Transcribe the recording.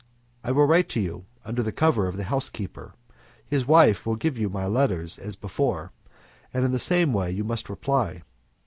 I will write to you under cover of the housekeeper, his wife will give you my letters as before, and in the same way you may reply.